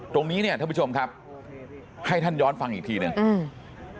เนี้ยท่านผู้ชมครับให้ท่านย้อนฟังอีกทีหนึ่งอืม